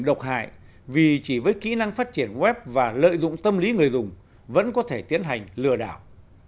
độc hại vì chỉ với kỹ năng phát triển web và lợi dụng tâm lý người dùng vẫn có thể tiến hành lừa đảo